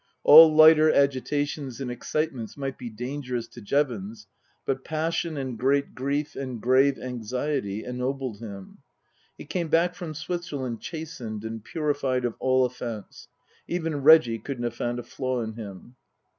All lighter agitations and excitements might be dangerous to Jevons, but passion and great grief and grave anxiety ennobled him. He came back from Switzerland chastened and purified of all offence. Even Reggie couldn't have found a flaw in him.